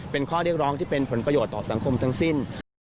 เป็นข้อเรียกร้องที่เป็นผลประโยชน์ต่อสังคมทั้งสิ้น